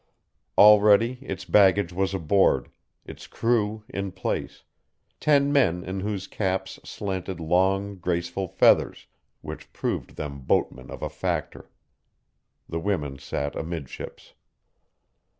Already its baggage was aboard, its crew in place, ten men in whose caps slanted long, graceful feathers, which proved them boatmen of a factor. The women sat amidships.